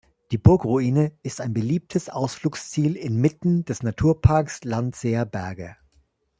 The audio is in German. Die Burgruine ist ein beliebtes Ausflugsziel inmitten des Naturparks Landseer Berge.